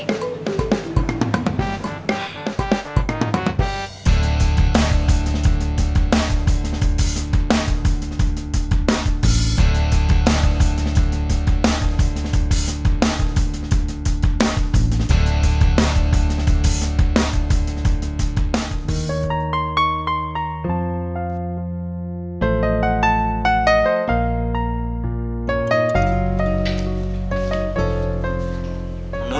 ada yang lupa